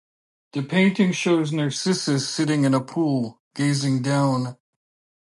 The painting shows Narcissus sitting in a pool, gazing down.